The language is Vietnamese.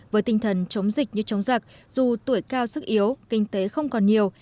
với tinh thần chống dịch như chống giặc dù tuổi cao sức yếu kinh tế không còn nhiều